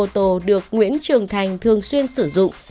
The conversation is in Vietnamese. trưởng thành thường xuyên sử dụng